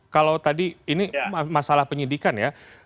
kalau tadi ini masalah penyidikan ya